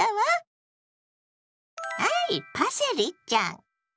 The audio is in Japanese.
はいパセリちゃん。